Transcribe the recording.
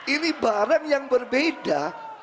ini barang yang berbeda